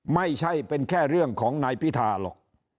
ไม่ใช่เป็นแค่เรื่องของนายพิธาหรอก